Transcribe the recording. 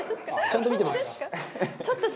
ちゃんと見てます。